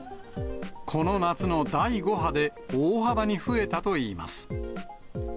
この夏の第５波で、大幅に増えたといいます。